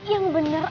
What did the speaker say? ya mak yang bener ya